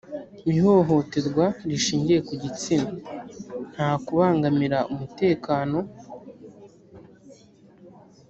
ihohoterwa rishingiye ku gitsina nta kubangamira umutekano